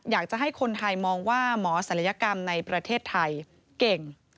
อยากจะให้คนไทยมองว่าหมอศัลยกรรมในประเทศไทยเก่ง